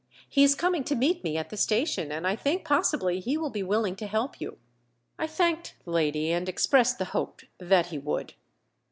He is coming to meet me at the station, and I think possibly he will be willing to help you." I thanked the lady, and expressed the hope that he would.